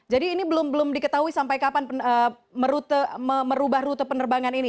jadi ini belum diketahui sampai kapan merubah rute